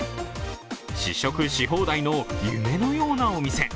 試食し放題の夢のようなお店。